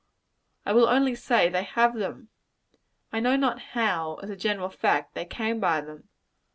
I will only say they have them. I know not how, as a general fact, they came by them.